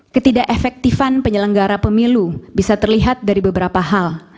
ketidak efektifan penyelenggara pemilu bisa terlihat dari beberapa hal